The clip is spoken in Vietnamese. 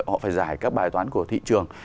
họ phải giải các bài toán của thị trường